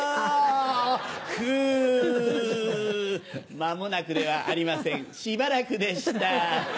まもなくではありませんしばらくでした。